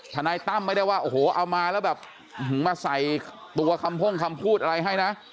ทนายตั้มไม่ได้ว่าโอ้โหเอามาแล้วแบบมาใส่ตัวคำพ่งคำพูดอะไรให้นะ